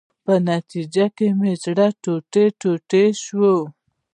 په نتیجه کې مې زړه ټوټې ټوټې شو.